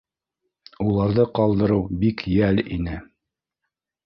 Уларҙы ҡалдырыу бик йәл ине.